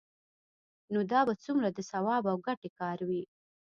نو دا به څومره د ثواب او ګټې کار وي؟